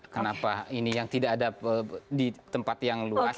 kenapa ini yang tidak ada di tempat yang luas